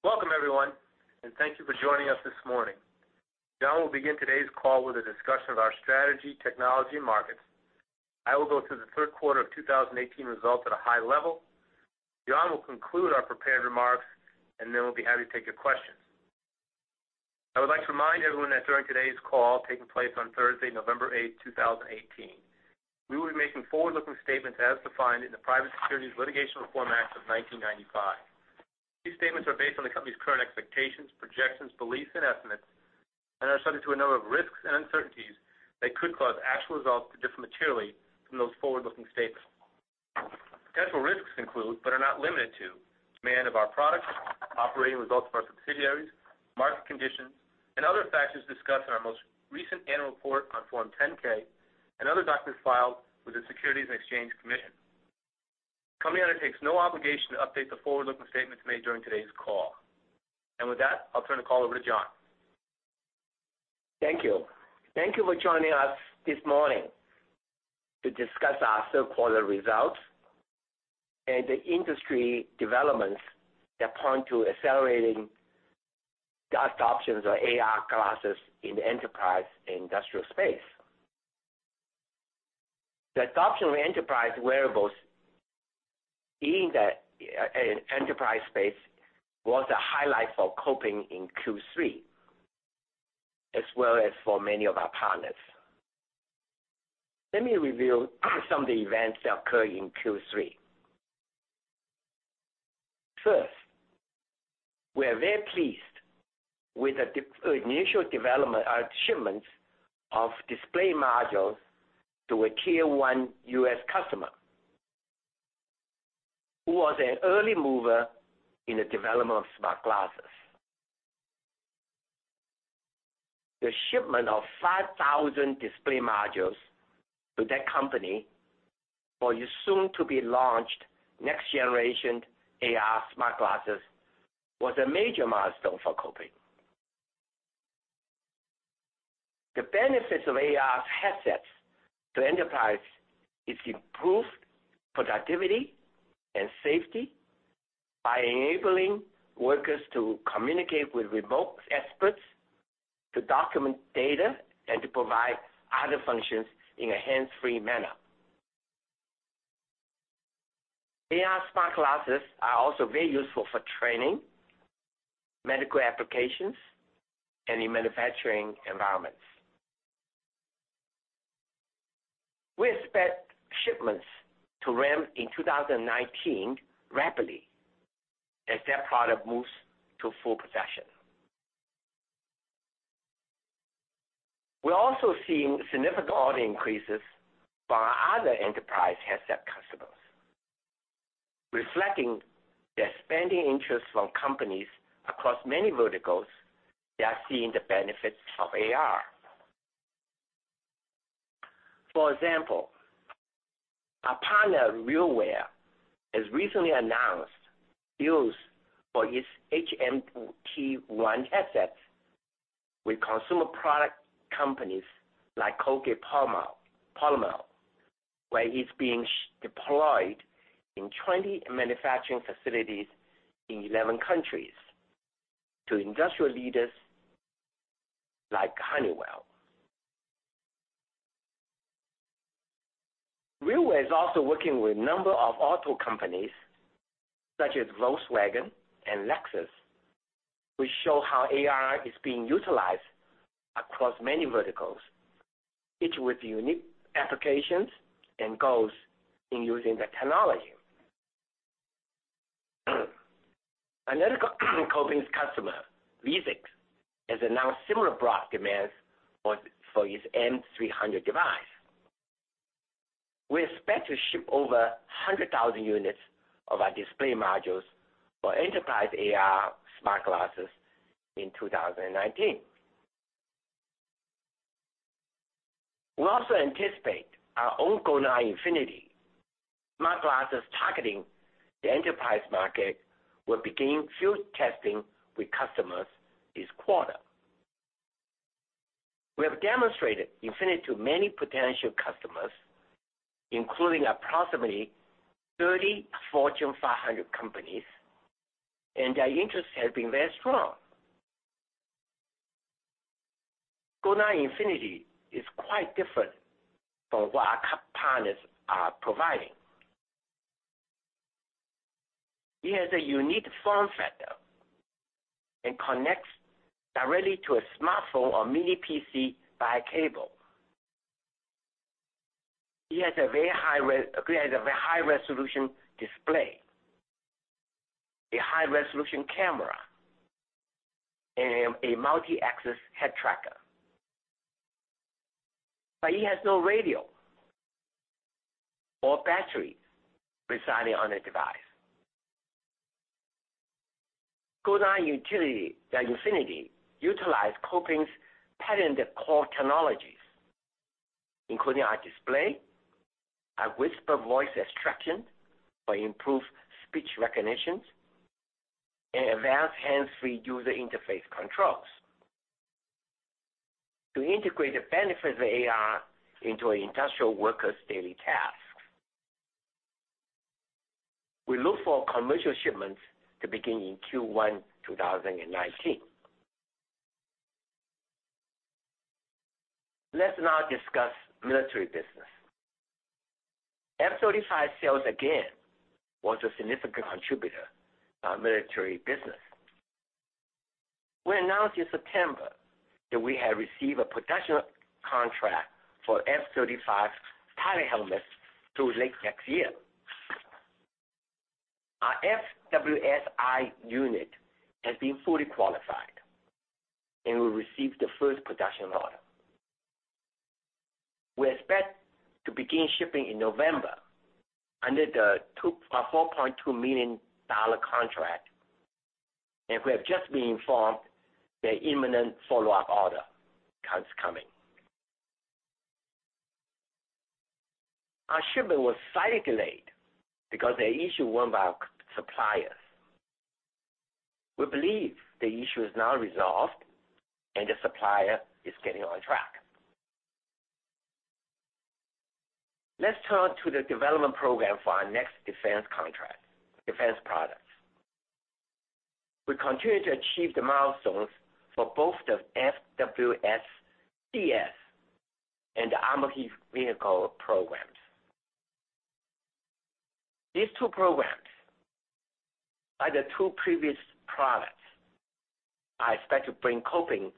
Welcome everyone, thank you for joining us this morning. John will begin today's call with a discussion of our strategy, technology, and markets. I will go through the third quarter of 2018 results at a high level. John will conclude our prepared remarks, then we'll be happy to take your questions. I would like to remind everyone that during today's call, taking place on Thursday, November 8th, 2018, we will be making forward-looking statements as defined in the Private Securities Litigation Reform Act of 1995. These statements are based on the company's current expectations, projections, beliefs, and estimates and are subject to a number of risks and uncertainties that could cause actual results to differ materially from those forward-looking statements. Potential risks include, but are not limited to, demand of our products, operating results of our subsidiaries, market conditions, and other factors discussed in our most recent annual report on Form 10-K and other documents filed with the Securities and Exchange Commission. The company undertakes no obligation to update the forward-looking statements made during today's call. With that, I'll turn the call over to John. Thank you. Thank you for joining us this morning to discuss our third quarter results and the industry developments that point to accelerating the adoptions of AR glasses in the enterprise industrial space. The adoption of enterprise wearables in the enterprise space was a highlight for Kopin in Q3, as well as for many of our partners. Let me review some of the events that occurred in Q3. First, we are very pleased with the initial development of shipments of display modules to a tier 1 U.S. customer who was an early mover in the development of smart glasses. The shipment of 5,000 display modules to that company for its soon-to-be-launched next-generation AR smart glasses was a major milestone for Kopin. The benefits of AR headsets to enterprise is improved productivity and safety by enabling workers to communicate with remote experts, to document data, and to provide other functions in a hands-free manner. AR smart glasses are also very useful for training, medical applications, and in manufacturing environments. We expect shipments to ramp in 2019 rapidly as that product moves to full production. We're also seeing significant order increases from our other enterprise headset customers, reflecting their spending interest from companies across many verticals that are seeing the benefits of AR. For example, our partner, RealWear, has recently announced deals for its HMT-1 headsets with consumer product companies like Colgate-Palmolive, where it's being deployed in 20 manufacturing facilities in 11 countries to industrial leaders like Honeywell. RealWear is also working with a number of auto companies such as Volkswagen and Lexus, which show how AR is being utilized across many verticals, each with unique applications and goals in using the technology. Another of Kopin's customer, Vuzix, has announced similar broad demands for its M300 device. We expect to ship over 100,000 units of our display modules for enterprise AR smart glasses in 2019. We also anticipate our own Golden-i Infinity smart glasses targeting the enterprise market will begin field testing with customers this quarter. We have demonstrated Infinity to many potential customers, including approximately 30 Fortune 500 companies, and their interest has been very strong. Golden-i Infinity is quite different from what our partners are providing. It has a unique form factor and connects directly to a smartphone or mini PC by a cable. It has a very high-resolution display, a high-resolution camera, and a multi-axis head tracker. It has no radio or battery residing on the device. Golden-i Infinity utilize Kopin's patented core technologies, including our display, our Whisper Voice Extraction for improved speech recognitions, and advanced hands-free user interface controls. To integrate the benefits of AR into an industrial worker's daily task. We look for commercial shipments to begin in Q1 2019. Let's now discuss military business. F-35 sales again was a significant contributor to our military business. We announced in September that we had received a production contract for F-35 pilot helmets through late next year. Our FWS-I unit has been fully qualified, and we received the first production order. We expect to begin shipping in November under the $4.2 million contract, and we have just been informed that imminent follow-up order comes coming. Our shipment was slightly delayed because of an issue raised by our suppliers. We believe the issue is now resolved, and the supplier is getting on track. Let's turn to the development program for our next defense contract, defense products. We continue to achieve the milestones for both the FWS-CS and the armored vehicle programs. These two programs are the two previous products are expected to bring Kopin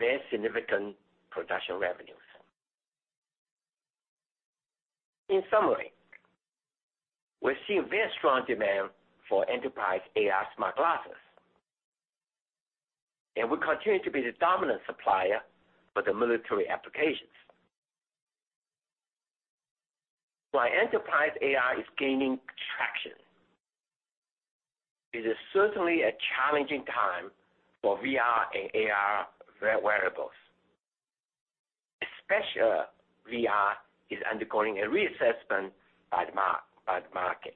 very significant production revenues. In summary, we're seeing very strong demand for enterprise AR smart glasses, and we continue to be the dominant supplier for the military applications. While enterprise AR is gaining traction, it is certainly a challenging time for VR and AR wearables, especially VR is undergoing a reassessment by the market.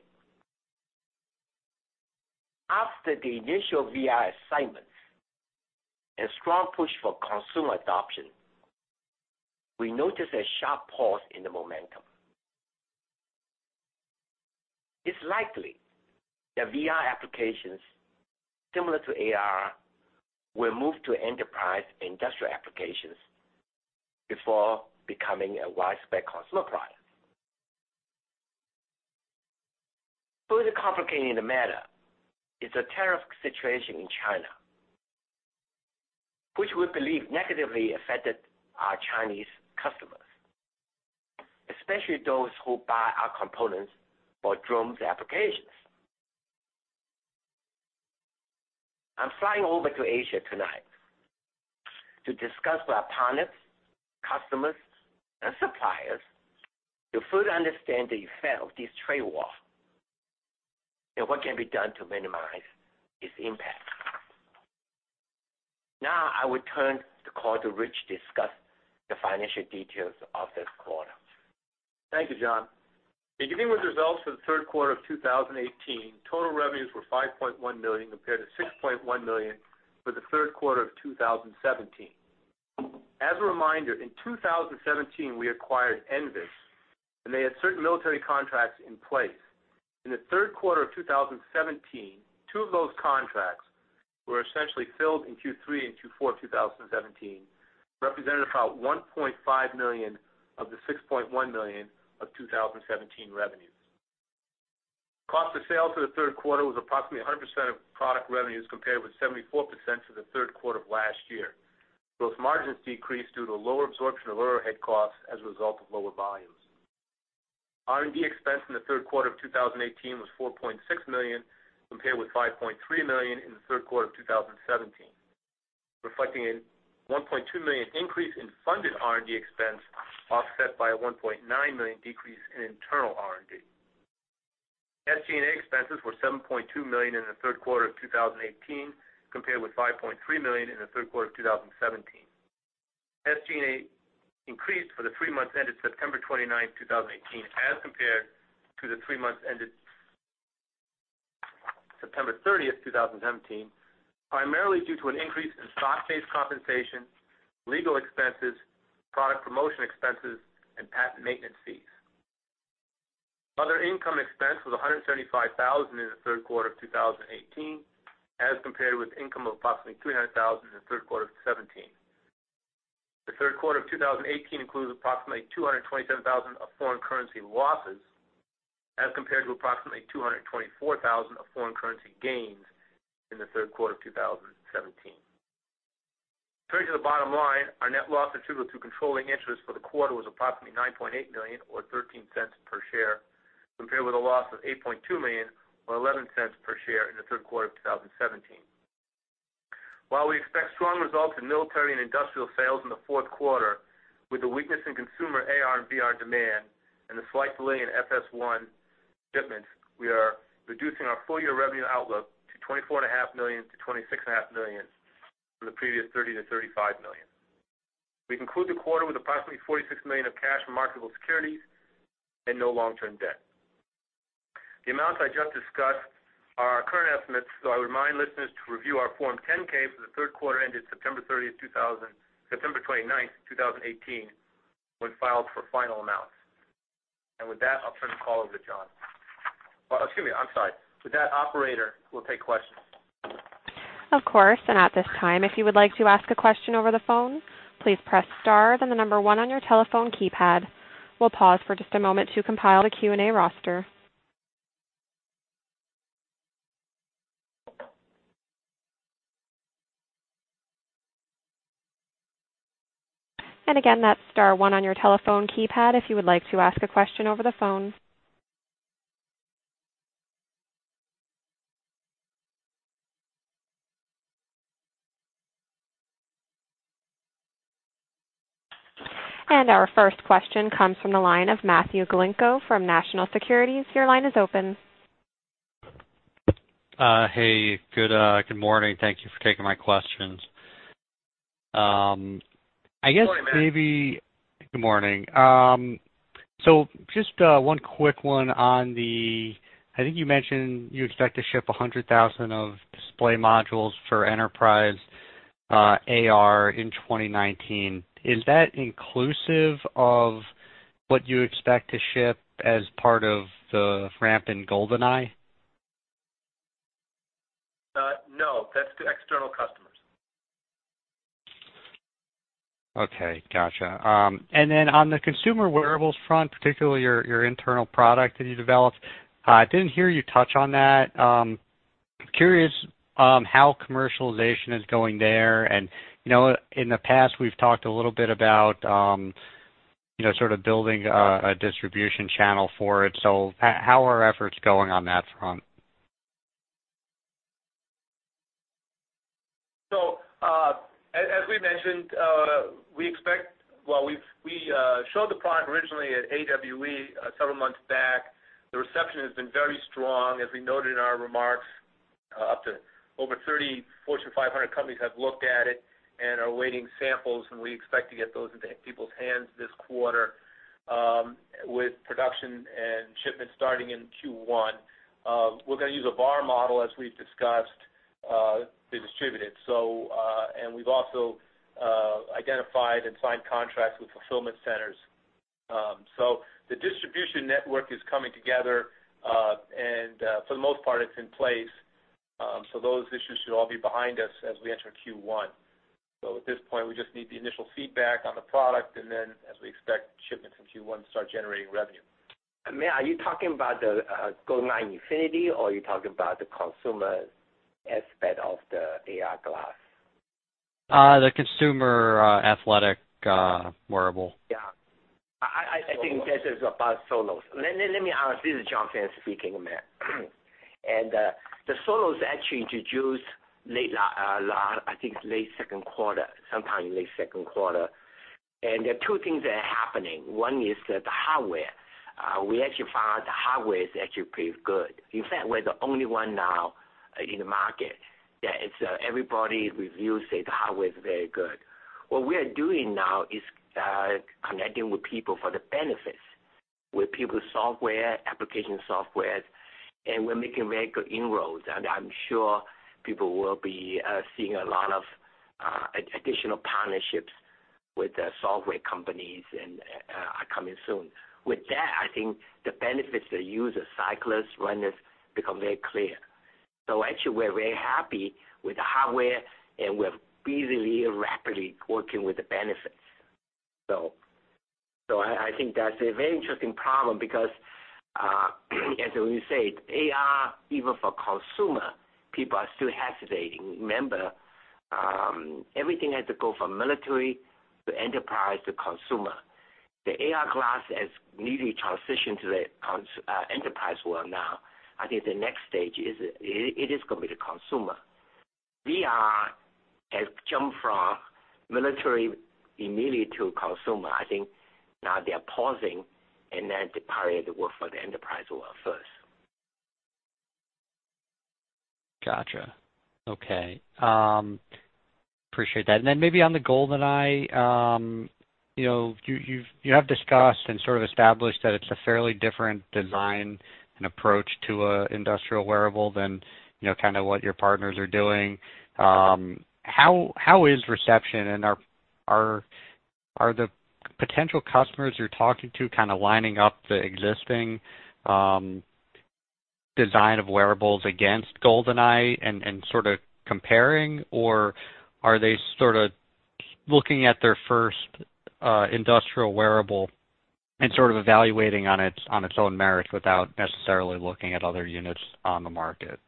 After the initial VR excitement and strong push for consumer adoption, we noticed a sharp pause in the momentum. It's likely that VR applications, similar to AR, will move to enterprise industrial applications before becoming a widespread consumer product. Further complicating the matter is the tariff situation in China, which we believe negatively affected our Chinese customers, especially those who buy our components for drones applications. I'm flying over to Asia tonight to discuss with our partners, customers, and suppliers to fully understand the effect of this trade war and what can be done to minimize its impact. Now I will turn the call to Rich to discuss the financial details of this quarter. Thank you, John. Beginning with results for the third quarter of 2018, total revenues were $5.1 million compared to $6.1 million for the third quarter of 2017. As a reminder, in 2017, we acquired NVIS, and they had certain military contracts in place. In the third quarter of 2017, two of those contracts were essentially filled in Q3 and Q4 of 2017, represented about $1.5 million of the $6.1 million of 2017 revenues. Cost of sales for the third quarter was approximately 100% of product revenues compared with 74% for the third quarter of last year. Both margins decreased due to a lower absorption of overhead costs as a result of lower volumes. R&D expense in the third quarter of 2018 was $4.6 million, compared with $5.3 million in the third quarter of 2017, reflecting a $1.2 million increase in funded R&D expense, offset by a $1.9 million decrease in internal R&D. SG&A expenses were $7.2 million in the third quarter of 2018, compared with $5.3 million in the third quarter of 2017. SG&A increased for the three months ended September 29th, 2018, as compared to the three months ended September 30th, 2017, primarily due to an increase in stock-based compensation, legal expenses, product promotion expenses, and patent maintenance fees. Other income expense was $175,000 in the third quarter of 2018 as compared with income of approximately $300,000 in the third quarter of 2017. The third quarter of 2018 includes approximately $227,000 of foreign currency losses, as compared to approximately $224,000 of foreign currency gains in the third quarter of 2017. Turning to the bottom line, our net loss attributable to controlling interest for the quarter was approximately $9.8 million, or $0.13 per share, compared with a loss of $8.2 million or $0.11 per share in the third quarter of 2017. While we expect strong results in military and industrial sales in the fourth quarter, with the weakness in consumer AR and VR demand and the slight delay in FWS-I shipments, we are reducing our full-year revenue outlook to $24.5 million-$26.5 million from the previous $30 million-$35 million. We conclude the quarter with approximately $46 million of cash and marketable securities and no long-term debt. The amounts I just discussed are our current estimates, so I remind listeners to review our Form 10-K for the third quarter ended September 29th, 2018, when filed for final amounts. With that, I'll turn the call over to John. Oh, excuse me. I'm sorry. With that, operator, we'll take questions. Of course. At this time, if you would like to ask a question over the phone, please press star, then the number one on your telephone keypad. We'll pause for just a moment to compile the Q&A roster. Again, that's star one on your telephone keypad if you would like to ask a question over the phone. Our first question comes from the line of Matthew Galinko from National Securities. Your line is open. Hey, good morning. Thank you for taking my questions. Good morning, Matt. Good morning. Just one quick one on the I think you mentioned you expect to ship 100,000 of display modules for enterprise AR in 2019. Is that inclusive of what you expect to ship as part of the ramp in Golden-i? No, that's to external customers. Okay, got you. On the consumer wearables front, particularly your internal product that you developed, I didn't hear you touch on that. I'm curious how commercialization is going there. In the past, we've talked a little bit about sort of building a distribution channel for it. How are efforts going on that front? As we mentioned, we showed the product originally at AWE several months back. The reception has been very strong. As we noted in our remarks, up to over 30 Fortune 500 companies have looked at it and are awaiting samples, and we expect to get those into people's hands this quarter, with production and shipments starting in Q1. We're going to use a VAR model, as we've discussed, to distribute it. We've also identified and signed contracts with fulfillment centers. The distribution network is coming together, and for the most part, it's in place. Those issues should all be behind us as we enter Q1. At this point, we just need the initial feedback on the product and then, as we expect shipments in Q1, start generating revenue. Matt, are you talking about the Golden-i Infinity or are you talking about the consumer aspect of the AR glass? The consumer athletic wearable. Yeah. I think this is about Solos. This is John Fan speaking, Matt. The Solos actually introduced, I think, late second quarter, sometime in late second quarter. There are two things that are happening. One is the hardware. We actually found the hardware is actually pretty good. In fact, we're the only one now in the market that everybody reviews say the hardware is very good. What we are doing now is connecting with people for the benefits, with people's software, application software, and we're making very good inroads, and I'm sure people will be seeing a lot of additional partnerships with the software companies are coming soon. With that, I think the benefits to users, cyclists, runners, become very clear. Actually, we're very happy with the hardware, and we're busily and rapidly working with the benefits. I think that's a very interesting problem because as we said, AR, even for consumer, people are still hesitating. Remember, everything has to go from military to enterprise to consumer. The AR glass has immediately transitioned to the enterprise world now. I think the next stage, it is going to be the consumer. VR has jumped from military immediately to consumer. I think now they are pausing and then the priority will for the enterprise world first. Got you. Okay. Appreciate that. Then maybe on the Golden-i, you have discussed and sort of established that it's a fairly different design and approach to an industrial wearable than what your partners are doing. How is reception? Are the potential customers you're talking to kind of lining up the existing design of wearables against Golden-i and sort of comparing? Are they sort of looking at their first industrial wearable and sort of evaluating on its own merit without necessarily looking at other units on the market?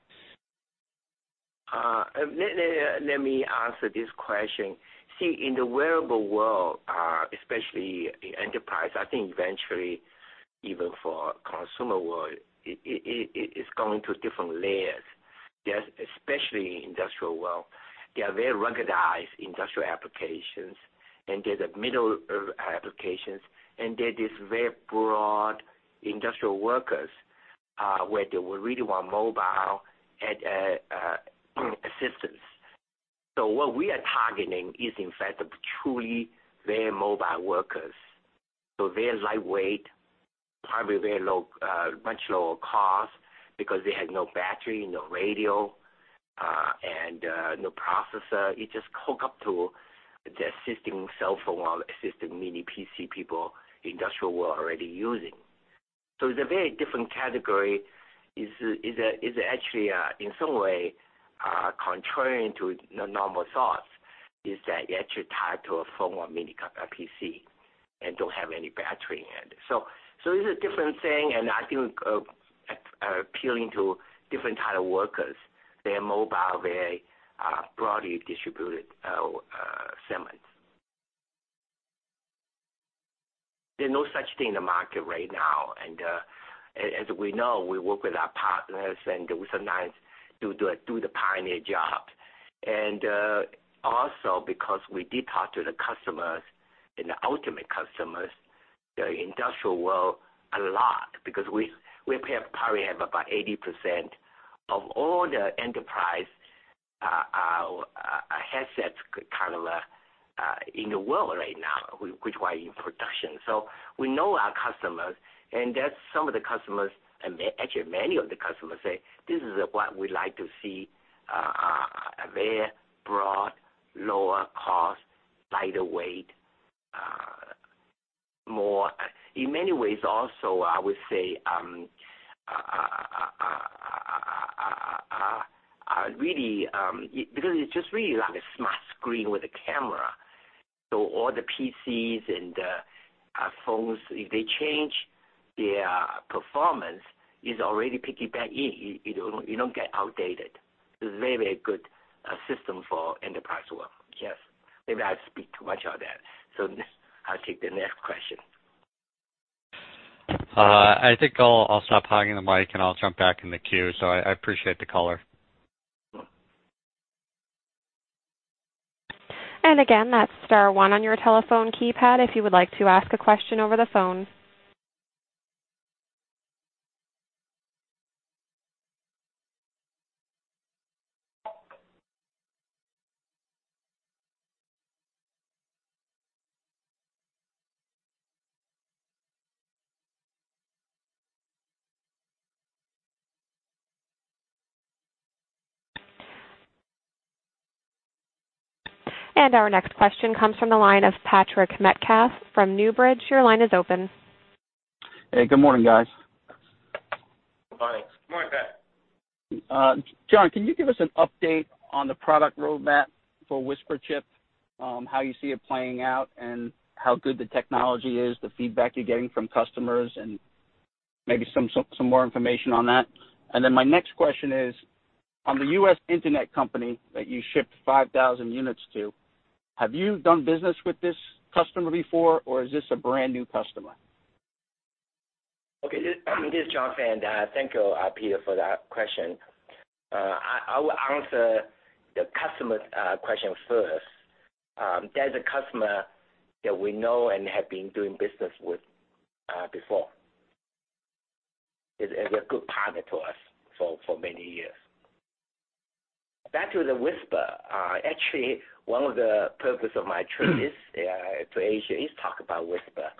Let me answer this question. In the wearable world, especially in enterprise, I think eventually even for consumer world, it's going to different layers, especially industrial world. There are very ruggedized industrial applications, and there's middle applications, and there's this very broad industrial workers, where they would really want mobile assistance. What we are targeting is, in fact, the truly very mobile workers. Very lightweight, probably much lower cost because they have no battery, no radio, and no processor. It just hooks up to the existing cell phone or existing mini PC people industrial world already using. It's a very different category. It's actually, in some way, contrary to normal thoughts, is that you're actually tied to a phone or mini PC and don't have any battery in it. It's a different thing, and I think appealing to different type of workers. They are mobile, very broadly distributed segments. There's no such thing in the market right now. As we know, we work with our partners, sometimes to do the pioneer job. Also because we did talk to the customers and the ultimate customers, the industrial world, a lot, because we probably have about 80% of all the enterprise headsets kind of in the world right now, which are in production. We know our customers, and that some of the customers, and actually many of the customers say, "This is what we like to see, a very broad, lower cost, lighter weight." In many ways also, I would say, because it's just really like a smart screen with a camera. All the PCs and the phones, if they change, their performance is already piggybacking. You don't get outdated. It's a very, very good system for enterprise world. Yes. Maybe I speak too much on that. Next, I'll take the next question. I think I'll stop hogging the mic, I'll jump back in the queue. I appreciate the caller. Again, that's star one on your telephone keypad if you would like to ask a question over the phone. Our next question comes from the line of Patrick Metcalf from Newbridge. Your line is open. Hey, good morning, guys. Good morning. Good morning, Pat. John, can you give us an update on the product roadmap for Whisper Chip, how you see it playing out, and how good the technology is, the feedback you're getting from customers, and maybe some more information on that? My next question is, on the U.S. Internet company that you shipped 5,000 units to, have you done business with this customer before, or is this a brand-new customer? Okay. This is John Fan. Thank you, Peter, for that question. I will answer the customer question first. That's a customer that we know and have been doing business with before. Is a good partner to us for many years. Back to the Whisper. Actually, one of the purpose of my trip is, to Asia, talk about Whisper.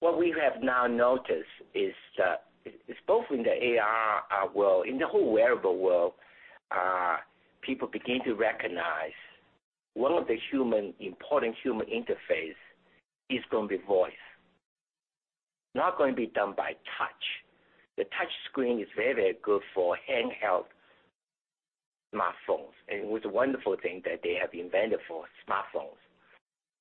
What we have now noticed is both in the AR world, in the whole wearable world, people begin to recognize one of the important human interface is going to be voice, not going to be done by touch. The touch screen is very, very good for handheld smartphones, and it was a wonderful thing that they have invented for smartphones.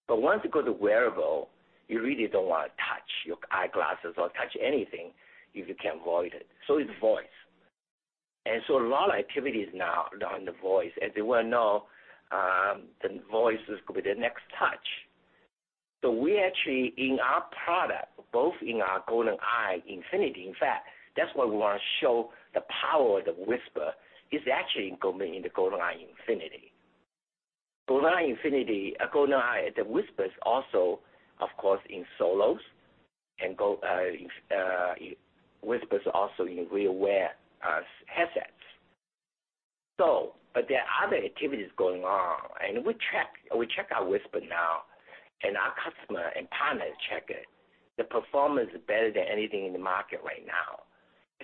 Once you go to wearable, you really don't want to touch your eyeglasses or touch anything if you can avoid it. It's voice. A lot of activities now are done with voice. As you well know, the voice is going to be the next touch. We actually, in our product, both in our Golden-i Infinity, in fact, that's where we want to show the power of the Whisper, is actually going to be in the Golden-i Infinity. Whisper is also, of course, in Solos, and Whisper is also in RealWear headsets. There are other activities going on, and we check our Whisper now, and our customer and partners check it. The performance is better than anything in the market right now,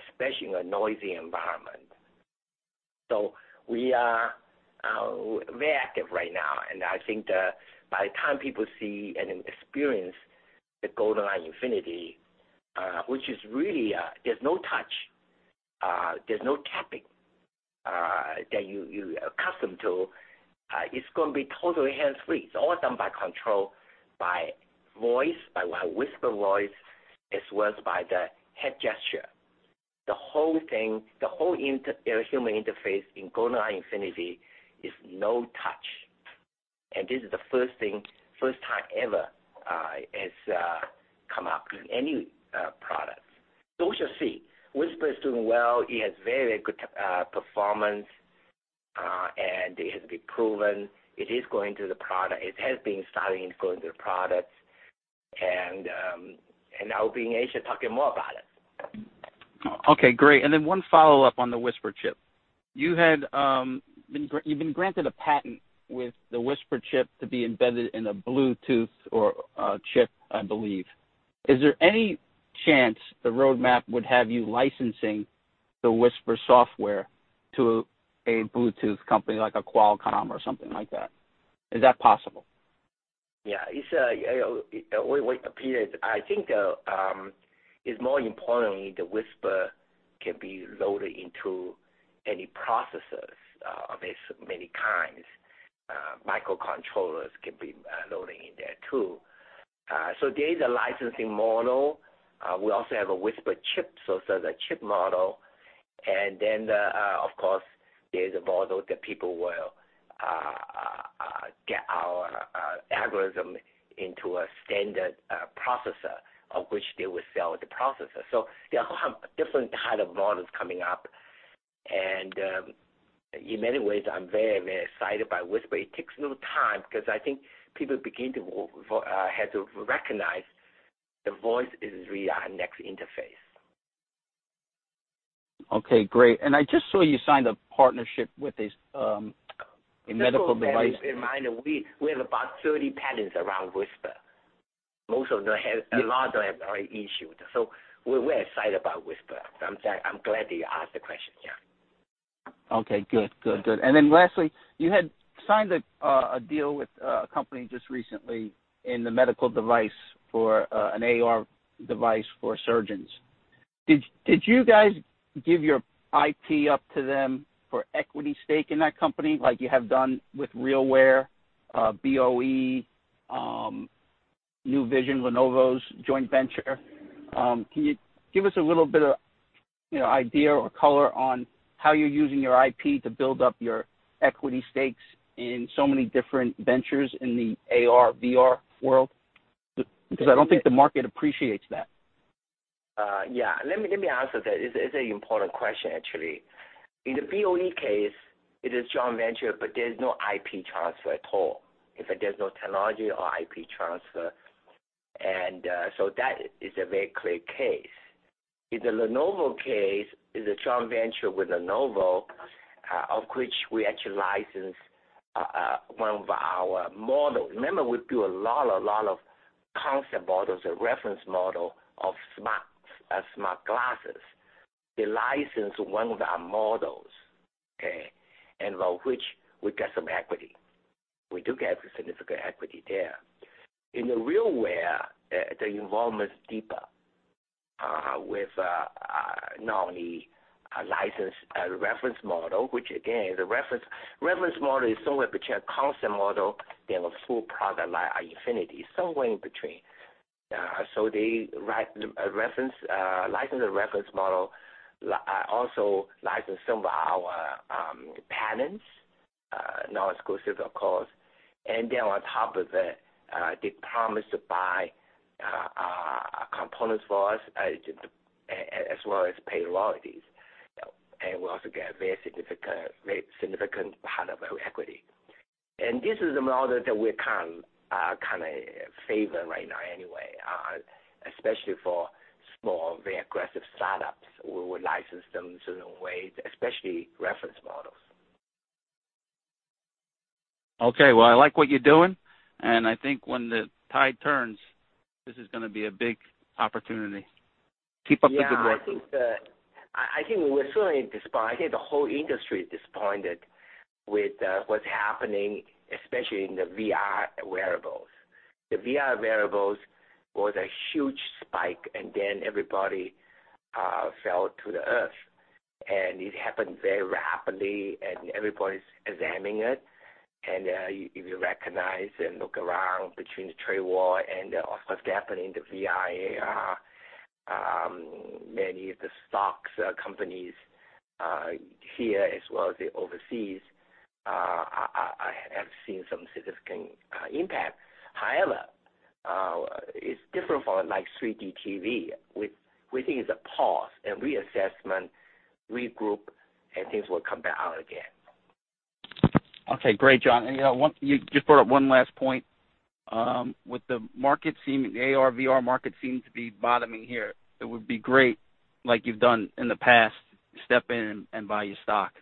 especially in a noisy environment. We are very active right now, and I think that by the time people see and experience the Golden-i Infinity, which is really, there's no touch, there's no tapping that you're accustomed to. It's going to be totally hands-free. It's all done by control, by voice, by Whisper voice, as well as by the head gesture. The whole thing, the whole human interface in Golden-i Infinity is no touch. This is the first time ever it's come up in any product. We shall see. Whisper is doing well. It has very, very good performance, and it has been proven. It has been starting to go into the product, and I'll be in Asia talking more about it. Okay, great. One follow-up on the Whisper Chip. You've been granted a patent with the Whisper Chip to be embedded in a Bluetooth chip, I believe. Is there any chance the roadmap would have you licensing the Whisper software to a Bluetooth company like a Qualcomm or something like that? Is that possible? Yeah. I think, it's more importantly, the Whisper can be loaded into any processors of many kinds. Microcontrollers can be loaded in there, too. There is a licensing model. We also have a Whisper Chip, so there's a chip model. Of course, there's a model that people will get our algorithm into a standard processor, of which they will sell the processor. There are different kinds of models coming up. In many ways, I'm very excited about Whisper. It takes a little time because I think people had to recognize that voice is really our next interface. Okay, great. I just saw you signed a partnership with a medical device- Just a reminder, we have about 30 patents around Whisper. Most of them have already issued. We're excited about Whisper. I'm glad that you asked the question, yeah. Okay, good. Lastly, you had signed a deal with a company just recently in the medical device for an AR device for surgeons. Did you guys give your IP up to them for equity stake in that company like you have done with RealWear, BOE, New Vision, Lenovo's joint venture? Can you give us a little bit of idea or color on how you're using your IP to build up your equity stakes in so many different ventures in the AR/VR world? I don't think the market appreciates that. Yeah. Let me answer that. It's an important question, actually. In the BOE case, it is joint venture, there's no IP transfer at all. In fact, there's no technology or IP transfer. That is a very clear case. In the Lenovo case, it's a joint venture with Lenovo, of which we actually licensed one of our models. Remember, we do a lot of concept models or reference model of smart glasses. They licensed one of our models, okay? Involve which we get some equity. We do get some significant equity there. In the RealWear, the involvement is deeper, with not only a licensed reference model, which again, the reference model is somewhere between a concept model and a full product like Infinity. Somewhere in between. They licensed the reference model. Also licensed some of our patents, non-exclusive, of course. On top of it, they promised to buy components for us, as well as pay royalties. We also get a very significant part of our equity. This is the model that we favor right now anyway, especially for small, very aggressive startups. We would license them certain ways, especially reference models. Okay. Well, I like what you're doing, and I think when the tide turns, this is going to be a big opportunity. Keep up the good work. I think we're certainly disappointed. I think the whole industry is disappointed with what's happening, especially in the VR wearables. The VR wearables was a huge spike, and then everybody fell to the earth, and it happened very rapidly, and everybody's examining it. If you recognize and look around between the trade war and of course, what's happening in the VR/AR, many of the stocks, companies here as well as overseas, have seen some significant impact. However, it's different for 3D TV. We think it's a pause and reassessment, regroup, and things will come back out again. Okay. Great, John. You just brought up one last point. With the AR/VR market seems to be bottoming here, it would be great, like you've done in the past, step in and buy your stock.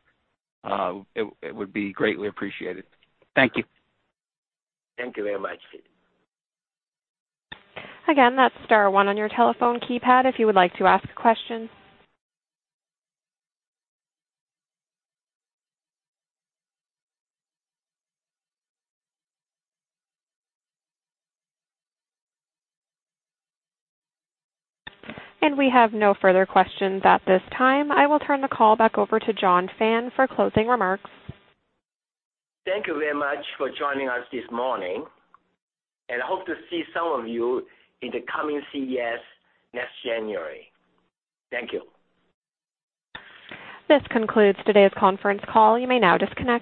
It would be greatly appreciated. Thank you. Thank you very much. Again, that's star one on your telephone keypad if you would like to ask a question. We have no further questions at this time. I will turn the call back over to John Fan for closing remarks. Thank you very much for joining us this morning, and hope to see some of you in the coming CES next January. Thank you. This concludes today's conference call. You may now disconnect.